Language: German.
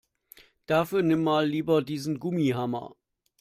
Dafür nimm mal lieber diesen Gummihammer.